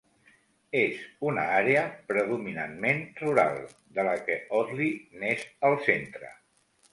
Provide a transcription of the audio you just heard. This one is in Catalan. És una àrea predominantment rural de la que Audley n'és el centre